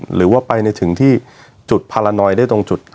หรือว่าไปในถึงที่จุดพารานอยได้ตรงจุด